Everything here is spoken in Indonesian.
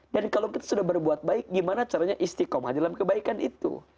dan kalau kita sudah berbuat baik gimana caranya istiqomah dalam kebaikan itu